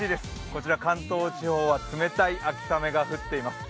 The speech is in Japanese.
こちら関東地方は、冷たい秋雨が降っています。